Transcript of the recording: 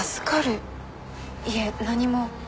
いえ何も。